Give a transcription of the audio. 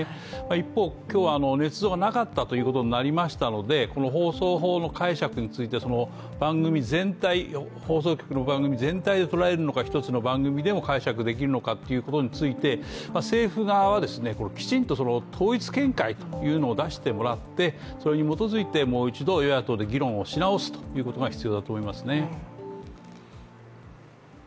一方、今日ねつ造はなかったということになりましたのでこの放送法の解釈について番組全体、放送局の番組全体でとららえるのか一つの番組でも解釈できるのかについて、政府側は、きちんと統一見解というのを出してもらってそれに基づいてもう一度与野党で議論をし直すということが必要だと思いますね